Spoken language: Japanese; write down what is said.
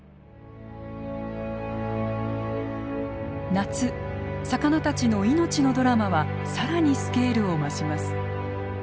夏魚たちの命のドラマは更にスケールを増します。